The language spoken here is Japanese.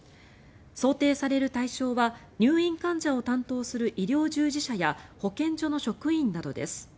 想定される対象は入院患者を担当する医療従事者や保健所の職員などです。